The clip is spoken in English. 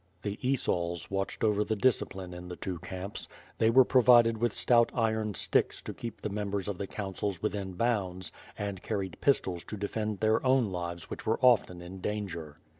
The Esauls watched over the discipline in the two camps; they were provided with stout iron sticks to keep the members of the councils within bounds, and carried pistols to defend their own lives which were often in danger.